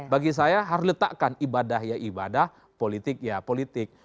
bagi saya harus letakkan ibadah ya ibadah politik ya politik